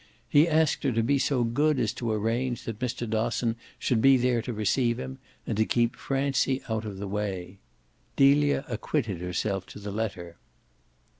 He asked her to be so good as to arrange that Mr. Dosson should be there to receive him and to keep Francie out of the way. Delia acquitted herself to the letter.